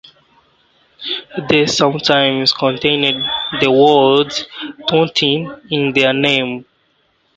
These sometimes contained the word "tontine" in their name.